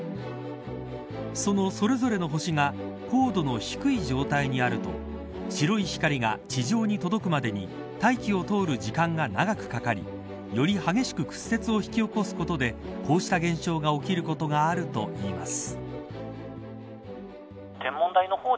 そのそれぞれの星が高度の低い状態にあると白い光が地上に届くまでに大気を通る時間が長くかかりより激しく屈折を引き起こすことでこうした現象が起きることがあるといいます。